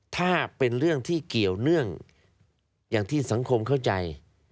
ถ้าเป็นเรื่องที่เกี่ยวเนื่องอย่างที่สังคมเข้าใจ